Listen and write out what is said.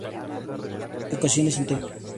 Ecuaciones integrales.